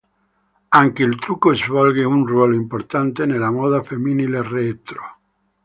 Anche il trucco svolge un ruolo importante nella moda femminile rétro.